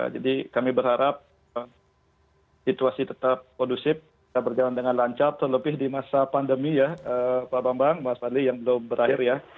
jadi kami berharap situasi tetap kondusif kita berjalan dengan lancar terlebih di masa pandemi ya pak bambang mas fadli yang belum berakhir ya